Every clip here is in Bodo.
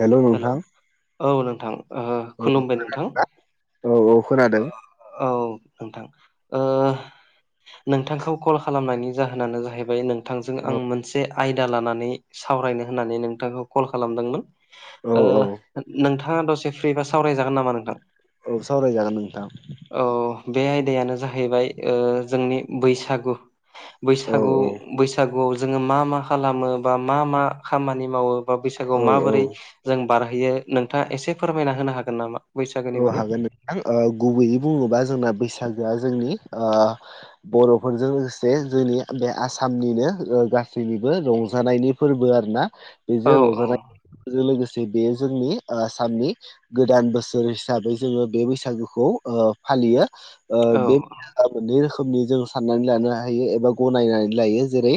हेल' हेलौ नोंथां औ नोंथां ओ औ खुलुमबाय नोंथां औ औ खोनादों औ नोंथां नोंथांखौ कल खालामनायनि जाहोनानो जाहैबाय नों थांजों औ आं मोनसे आयदा लानानै सावरायनो होननानै नोंथांखौ कल खालामदोंमोन औ ओ औ नोंथांङा दसे फ्रिबा सावरायजागोन नामा? नोंथां औ सावराय जागोन नोंथां। औ बे आयदायानो जाहैबाय ओ जोंनि बैसागु औ बैसागु औ बैसागुआव जोंङो मा मा खालामो बा मा मा खामानि मावो बैसागुआव औ औ माबोरै जों बारहोयो नोंथांङा एसे फोरमायना होनो हागोन नामा? बैसागोनि औ बागै हागोन नोंथां ओ गुबैयै बुंङोबा जोंना बैसागोआ जोंनि ओ बर'फोरजों लोगोसे जोंनि बे आसामनिनो गासैनिबो रंजानायनि फोरबो आरो ना औ बेजों औ रंजानायजों लोगोसे बेयो जोंनि आसामनि गोदान बोसोर सोर हिसाबै जोंङो बे बैसागुखौ ओ फालियो बे औ मोननै रोखोमनि जों साननानै लानो हायो एबा गनायनानै लायो जेरै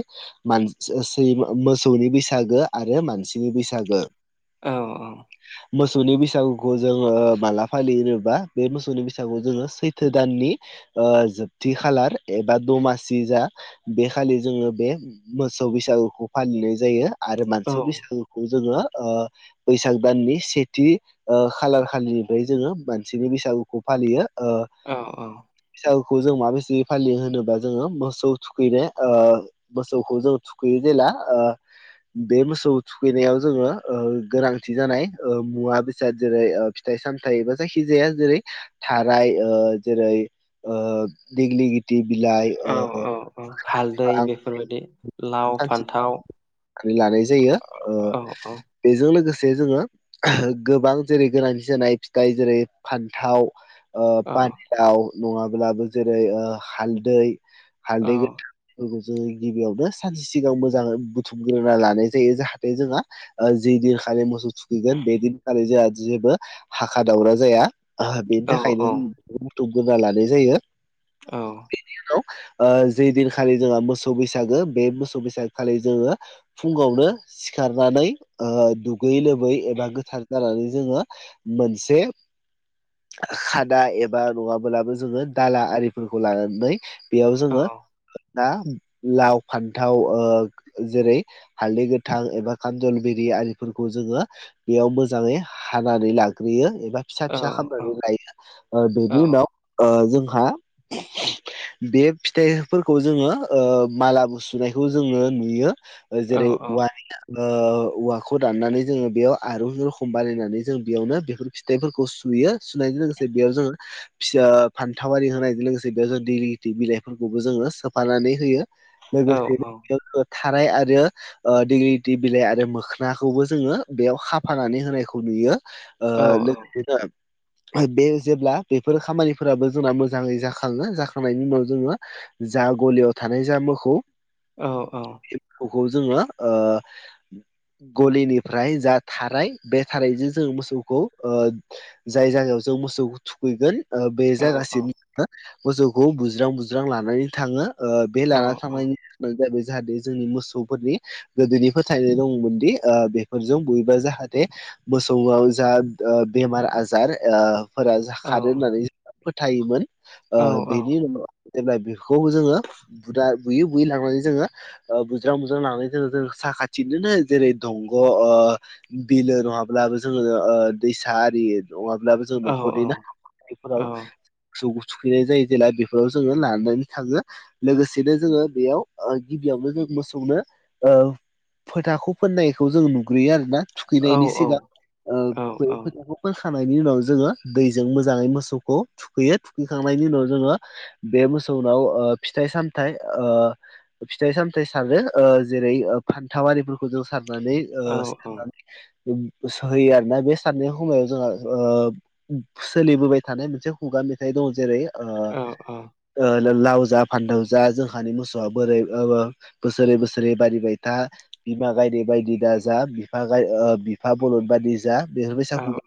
मान ओ सैमा ओ मोसौनि बैसागो आरो मानसिनि बैसागो औ औ मोसौनि बैसागुखौ जों ओ माला फालियोबा बे मोसौनि बैसागु जोङो सैथो दाननि ओ जोबथि खालार एबा दमासि जा बे खालि जोंङो बे मोसौ बैसागुखौ फालिनाय जायो। आरो औ मानसि बैसागुखौ जोंङो बैसाग दाननि सेथि ओ खालार खालिनिफ्राय जोंङो मानसिनि बैसागुखौ फालियो ओ औ औ बैसागुखौ जों माबेसे फालियो होनोबा जोंङो मोसौ थुखैनाय मोसौखौ जों थुखैयो जेला ओ बे मोसौ थुखैनायाव जोंङो ओ गोनांथि जानाय ओ मुवा बेसाद जेरै ओ फिथाय सामथाइ एबा जायखिजाया जेरै थाराइ ओ जेरै ओ दिग्लिग दि बिलाइ ओ बिफां फोरबायदि सानसे गोरनानै लानाय जायो औ औ बेजों लोगोसे जोंङो ओह गोबां जेरै गोनांथि जानाय फिथाइ जेरै फान्थाव औ पानाव नङाब्लाबो जेरै हालदै औ हालदै गोथां बे जो गिबियावनो सानसे सिगां मोजां बुथुमग्रोना लानाय जायो । जाहाथे जोंहा जि दिनखालि मोसौ थुखैगोन बेदिनखालि जोंहा जेबो हाखा दावर जाया । ओह बेनि औ थाखायनो बुथुम गोरना लानाय जायो औ बिनि उनाव ओ जे दिनखालि जोंहा मोसौ बैसागो बे मोसौ बैसागो खालि जोंङो फुङावनो सिखारनानै दुगैयै लोबै एबा गोथार जानानै जोङो मोनसे खाना एबा नङाब्लाबो जोङो दाला आरिफोरखौ लानानै बेयाव औ जोङो ना लाव फान्थाव जेरै हाल्दै गोथां एबा खामजलबिरि आरिफोरखौ जोङो । बेयाव मोजाङै हानानै लाग्रोयो । एबा फिसा औ फिसा खामनानै लायो औ बेनि उनाव जोंहा बे फिथाइफोरखौ जोङो माला सुनायखौ जोङो नुयो। औ जेरै वाइट औवाखौ दाननानै जोङो बेयाव आरुन रखुम बानायनानै जों बेयावनो बेफोर फिथाइफोरखौ सुयो सुनायजों लोगोसे बेयाव जोङो फिसा फान्थावि होनायजों लोगोसे बेयाव जों दैि बिलाइफोरखौबो जोङो सोफानानै होयो । औ लोगोसे थानायार आरो दिग्रिटि बिलाइ आरो मोखोनखौबो जोङो बेयाव खााफानानै होनायखौ नुयो । [inaudible] [inaudible] बे जेब्ला बेफोर खामानिफोराबो जोंना मोजाङै जाखङो जाखांनायनि उनाव जोङो जा गलियाव थानाय जा मोसोव औ औ बेखौ जोङो गलिनिफ्राय जा थाराय बे थारैजों जों मोसौखौ जाय जायगायाव जों मोसौ थुखैगोन बे जायागासिनो मोसौखौ बुज्रां बुज्रां लानानै थाङो । बे लाना औ थांनायनिानो जाबाय जाहाथे जोंनि मोसौफोरनि गोदोनि फोथायनाय दंमोनदि? बेफोरजों बयेबा जाहाथे मोसौआव जा बेमार आजार फोर ज खादों होननानै फोथायोमोन । बेनि उनाव जेब्ला बेखौ जोङो बुा बुयै बुयै लांनानै जोङो बुज्रां बुज्रां लांनाय ज जों साखाथिनो जेरै दंग' बिलो नङाब्लाबो जोङो दैसा आरि नङाब्लाबो जों न'खरनि ना ाबा थुखैयैनाय जायो । जेला बेफोराव जोङो लानानै थाङो । लोगोसेनो जोङो बेयाव गिबियावनो जों मोसौनो फोथाखौ फोननायखौ जों नुग्रोयो आरोना थुखैनायनि सिगां बे फोथाखौ फोखांनायनि उनाव जोङो दैयजों मोजाङै मोसौखौ थुखैयो थुखैखांनायनि उनाव जोङो बे मोसौनाव फिथाइ सामथायाइ फिथाइ सामथायाइ सारो जेरै फान्थाविफोरखौ जों सारनानै सारनानै होयो आरोना बे सारनाय समाव जोंहा सोलिबोबाय थानाय मोनसे खुगा मेथाइ दं जेरै लाव जा फानदाव जा जोंहानि मोसौ बोरै बोसोरै बोसोरै बारिबाय था । बिमा गायदे बायदि दा जा बिफा बरलन बायदि जा बेफोरबायसा खुगा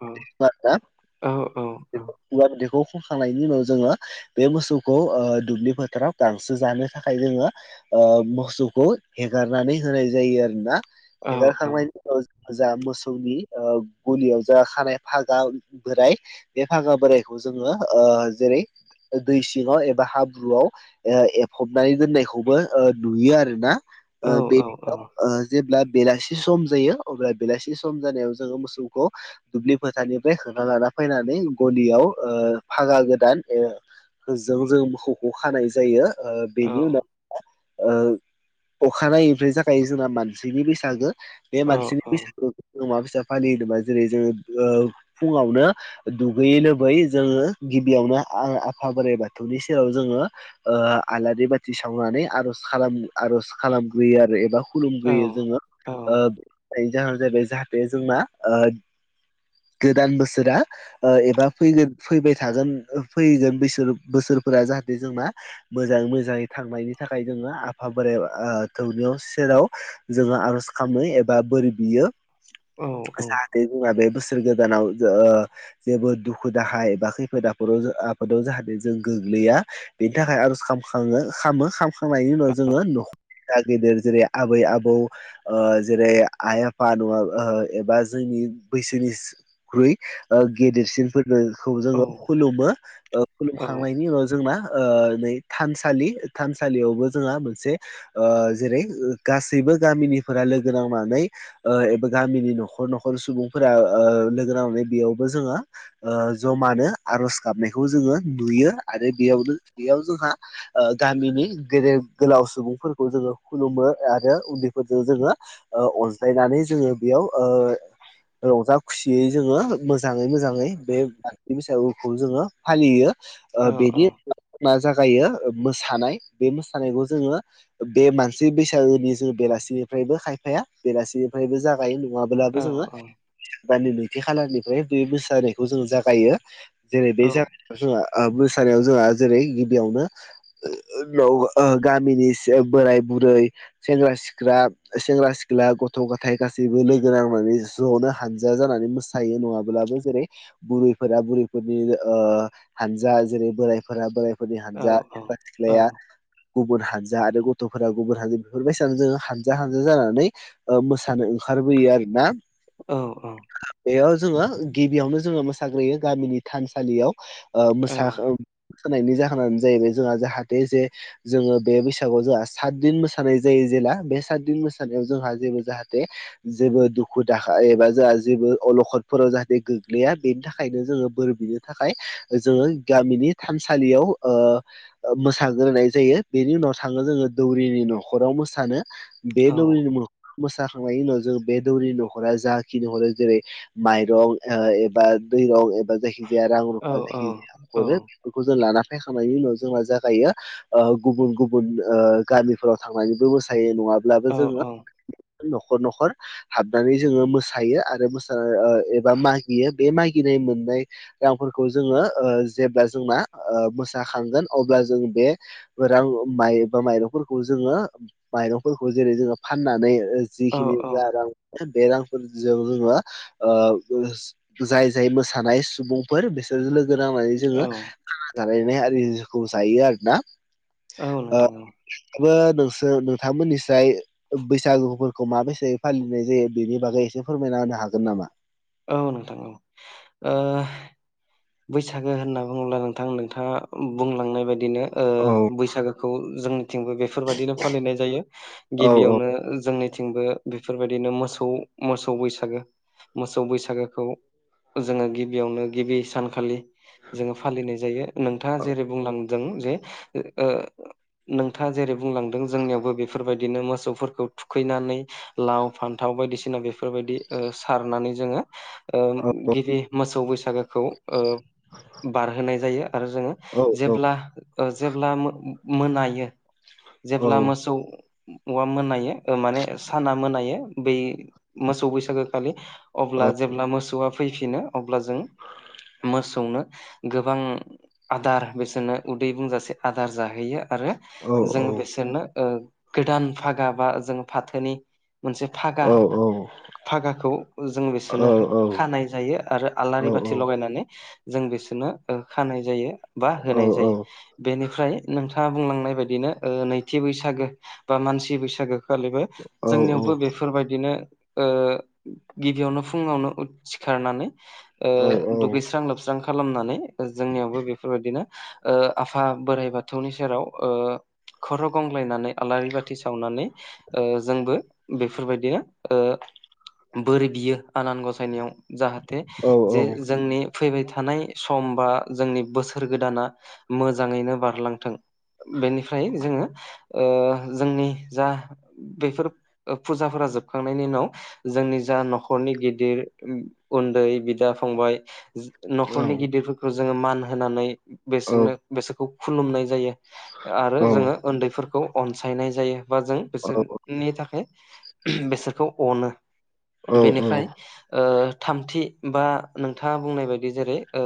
ादैखौ खखांनायनि उनाव जोङो बे मोसौखौ ओ दुब्लि फोथाराव गांसो जानो था खाय जोङो । ओ मोखसौखौ हेगारनानै होनाय जायो आरोना। हेगारखांनाय ओ जा मोसौनि ओ गलियाव जा खानाय फागा बोराय बे फागा बोरायखौ जोङो ओ जेरै ओ दै सिङाव एबा हाब्रुआव ओ एफब नानै दोननायखौबो ओ नुयो आरोना । ओ बेनि उनाव ओ जेब्ला बेलासि सम जायो अब्ला बेलासि सम जानायाव जोङो मोसौखौ दुब्लि फोथारानिफ्राय होना लाना फैनानै गलियाव ओ फागा गोदान ए होजौ जों मोखौखौ खानाय जायो ओ बिनि उनाव ओ अखानायैनिफ्राय जाखायो जोंना मानसिनि बैसागो। बे मानसिनि [unintelligible] फालियो होनोबा जेरै जोङो ओ फुङावनो दुगैयै लोबै जोङो गिबियावनो आ-आफा बोराइ बाथौनि सेराव जोङो ओ आलारि बाथि सावनानै आर'ज खालाम आर'ज खालामग्रोयो आरो एबा औ खुलुमग्रोयो जोङो औ औ ओ। [unintelligible] नि जाहोना जाहैबाय जाहाथे जों मा ओ गोदान बोसोरा ओ एबा फैगोन फैबाय थागोन फैगोन बैसोर बोसोरफोरा जाहाथे जोंना मोजां मो जाङै थांनायनि थाखाय जोङो आफा बोराइ आ थौ निआव सेराव जोङो आर'ज खामनै एब बा बोर बियो औ औ जाहाथे जोंना बे बोसोर गोदानाव जो ओ जेबो दुखु दाहा एबा खैफोद आफोदाव आफोदाव जाहाथे जों गोग्लैया बेनि थाखाय आर'ज खाम खाङो खामो खामखांनायनि उनाव जोङो न' दा गिदिर जेरै आबै आबौ ओ जेरै आइ आफा नङा ओ एबा जोंनि बैसोनिस ख्रुइ ओ गेदेरसिन फोरखोखौ औ जोङो खुलुमो। ओ खुलुमखांनायनि उनाव जोंना ओ नै थानसालि थानसालियावबो जोंहा मोनसे ओ जेरै गासैबो गामिनिफोरा लोगो नांनानै ओ एबा गामिनि न'खर न'खर सुबुंफोरा ओ लोगो नांनानै बेयावबो जोङा ओ जमानो आरज गाबनायखौ जोङो नुयो आरो बेयावनो बेयाव जोंहा ओ गामिनि गेदेर गोलाव सुबुंफोरखौ जोङो खुलुमो आरो उन्दैफोरखो जोङो ओ अनज्लायनानै जोङो बेयाव ओ रंजा खुसियै जोङो मोजाङै मोजाङै बे [unintelligible] बैसागुखौ जोङो फालियो औ ओ बेगि मा जागायो मोसानाय बे मोसानायखौ जोङो बे मानसि बैसागोनि जों बेलासिनिफ्रायबो खायफाया बेलासिनिफ्रायबो जागायो नङा औ बोलाबो जोङो दाननि नैथि खालारनिफ्राय बे मोसानायखौ जोङो जागायो। जेरै औ बे [inaudible] जोंहा ओ मोसानायाव जोंहा जेरै गिबियावनो [unintelligible] ओ गामिनिस ओ बोराय बुरै सेंग्रा सि सिख्राब सेंग्रा सिख्ला गथ' गथाय गासैबो लोगो नांनानै ज'नो हानजा जानानै मोस थायो नङाबोलाबो जेरै बुरैफोरा बुरैफोरनि ओ हानजा जेरै बोरायफोरा बोराय फोरनि हानजा सिख्ला औ सिख्लाया गुबुन हानजा आरो गथ'फोरा गुबुन हानजा बेफोर बायसानो जोङो हानजा हानजा जानानै ओ मोसानो ओंखारबोयो आरो ना। औ औ बेयाव जोङो गिबियावनो जोङो मोसाग्रोयो गामिनि थानसालियाव ओ मोसा औ ओ खोनायनि जाहोनानो जाहैबाय जोंहा जाहाथे जे जोङो बे बैसागुआव जोंहा सातदिन मोसानाय जायो जेला बे सातदिन मोसानायाव जोंहा जेबो जाहाथे जेबो दुखु दाहा एबा जाहा जेबो अलखदफोराव जाहाथे गोग्लैया बेनि थाखायनो जोङो बोर बिनो थाखाय जोङो गामिनि थानसालियाव ओ ओ मोसाग्रोनाय जायो बेनि उनाव थाङो जोङो दौरिनि न'खराव मोसानो। बे दौरिनि मोसाखांनायनि उनाव जों बे दौरिनि न'खरा जाखिनि हरो जेरै माइरं एबा दैरं एबा जायखि जाया रां रुफा जायखिजाया हरो बेफोरखौ जों लाना [unintelligible] उनाव जोंना जागायो ओ गुबुन गुबुन ओ गामिफोराव थांनानैबो मो सायो नङाब्लाबो जोङो न'खर न'खर हाबनानै जोङो मोसायो आरो मोस एबा मागियो बे मागिनाय मोननाय रांफोरखौ जोङो ओ जेब्ला जोंना ओ मोसाखांगोन अब्ला जों बे रां माइ बा माइरंफोरखौ जोङो माइरंफोरखौ जेरै जोङो फाननानै जिखिनिु औ आरो रां बे रांफोरजों जोङो मा ओ‌ जाय जाय मोसानाय सुबुं फोर बिसोरजों लोगो नांनानै औ जोङो [inaudible] जालायनाय आरिखौ जायो आरोना। औ ओ नोंथां औ। [unintelligible] नोंसोर नोंथांमोननिस्राय बैसागुफोरखौ माबायसे फालिनाय जायो बेनि बागै एसे फोरमायना होनो हागोन नामा? औ नोंथां औ ओ बैसागु होनना बुङोब्ला नोंथां नोंथाङा बुंलांनाय बायदिनो ओ औ बैसागुखौ जोंनिथिंबो बेफोरबायदिनो फालिनाय जायो। औ औ गिबियावनो जोंनिथिंबो बेफोरबायदिनो मोसौ मोसौ बैसागु मोसौ बैसागुखौ जोङो गिबियावनो गिबि सान खालि जोङो फालिनाय जायो नोंथाङा जेरै बुंलांदों जे ओ नोंथाङा जेरै बुंलांदों जोंनियावबो बेफोरबायदिनो मोसौफोरखौ थुखैनानै लाव फान्थाव बायदिसिना बेफोरबायदि ओ सारनानै जोङो ओ गिबि मोसौ बैसागुखौ ओ बारहोनाय जायो आरो जोङो औ औ जेब्ला जेब्ला मो-मोनायो औ जेब्ला मोसौआ मोनायो माने साना मोनायो बै मोसौ बैसागु खालि अब्ला औ जेब्ला मोसौआ फैफिनो अब्ला जों मोसौनो गोबां आदार बेसोरनो उदै बुंजासे आदार जाहैयो आरो औ जोङो बिसोरनो ओ गोदान भागा बा जोंङो फाथोनि मोनसे फागा औ फागाखौ जों औ बिसोरनो औ खानाय जायो आरो औ आलारि बाथि लगायनानै जों बिसोरनो खानाय जायो बा औ होनाय जायो। बेनिफ्राय नोंथाङा बुंलांनाय बायदिनो ओ नैथि बैसागु बा मानसि बैसागु खालिबो औ जोंनियावबो बेफोरबायदिनो ओ गिबियावनो फुङावनो सिखारनानै औ ओ दुगैस्रां लोबस्रां खालामनानै जोंनियावबो बेफोरबायदिनो ओ आफा बोराइ बाथौनि सेराव ओ खर' गंग्लायनानै आलारि बाथि सावनानै ओ जोंबो बेफोरबायदिनो ओ बोर बियो आनान गसाइनियाव। जाहाथे जे जोंनि फैबाय थानाय सम बा जोंनि बोसोर गोदाना मोजाङैनो बारलांथों। बेनिफ्राय जोङो ओ जोंनि जा बेफोर फुजाफोरा जोबखांनायनि उनाव जोंनि जा न'खरनि गिदिर उन्दै बिदा फंबाय न'खरनि गिदिरफोरखौ जोङो मान होनानै बिसोरनो बिसोरखौ खुलुमनाय जायो। आरो जोङो उन्दैफोरखौ अनसायनाय जायो बा जों बिसोर नि थाखाय बेसोरखौ अनो बेनिफ्राय ओ थामथि बा नोंथाङा बुंनाय बायदि जेरै ओ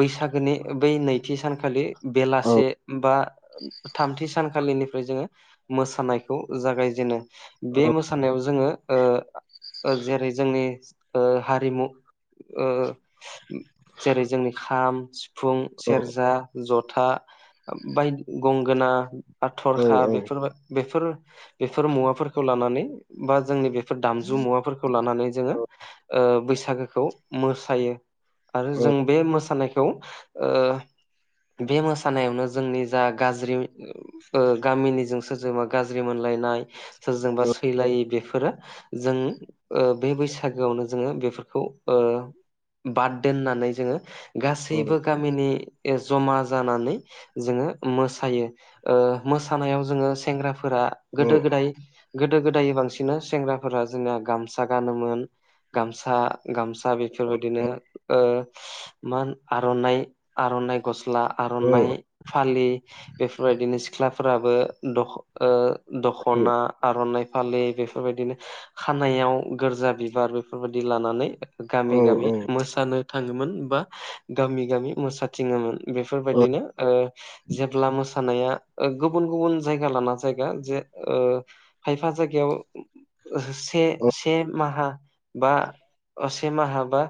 बैसागुनि बै नैथि सानखालि बेलासे बा थामथि सानखालिनिफ्राय जोङो मोसानायखौ जागायजेनो। बे मोसानायाव जोङो जेरै जोंनि हारिमु जेरै जोंनि खाम फुं सेरजा जथा बायदि गंगोना आथरखा बेफोर बेफोर बेफोर मुवाफोरखौ लानानै बा जोंनि बे दामजु मुवाफोरखौ लानानै जोङो बैसागोखौ मोसायो आरो जों बे मोसानायखौ ओ बे मोसानायावनो जोंनि जा गाज्रि ओ गामिनिजों सोरजोंबा गाज्रि मोनलायनाय सोरजोंबा सैलायै बेफोरो जों ओ बे बैसागुआवनो जोङो बेफोरखौ ओ बाद दोननानै जोङो गासैबो गामिनि जमा जानानै जोङो मोसायो मोसानायाव जोङो सेंग्राफोरा गोदो गोदाय गोदो गोदाय बांसिन सेंग्राफोरा जोंना गामसा गानोमोन गामसा गामसा दा बेफोरबायदिनो मा आर'नाइ आर'नाइ गस्ला आर'नाइ फालि बेफोरबायदिनो सिख्लाफोराबो दख' दख'ना आर'नाइ फालि बेफोरबायदिनो खानायाव गोरजा बिबार बेफोरबायदि लानानै गामि औ गामि औ मोसानो थाङोमोन बा गामि गामि मो थिङोमोन औ बेफोरबायदिनो जेब्ला मोसानाया गुबुन गुबुन जायगा लाना जायगा जे खायफा जायगायाव से से माहा बा से माहा बा